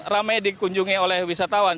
ramai dikunjungi oleh wisatawan